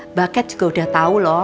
mbak kat juga udah tau loh